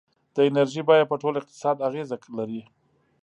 د انرژۍ بیه په ټول اقتصاد اغېزه لري.